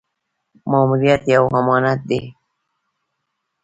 ماموریت یو امانت دی